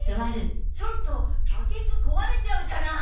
ちょっとバケツ壊れちゃうじゃない！